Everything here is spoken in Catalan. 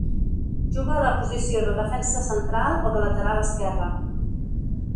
Juga a la posició de defensa central o de lateral esquerre.